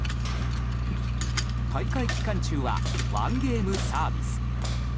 大会期間中はワンゲームサービス。